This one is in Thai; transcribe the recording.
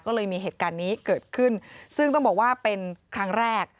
ก็เลยมีเหตุการณ์นี้เกิดขึ้นซึ่งต้องบอกว่าเป็นครั้งแรก